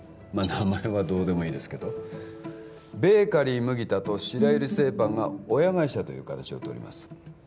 まあ名前はどうでもいいですけどベーカリー麦田と白百合製パンが親会社という形をとります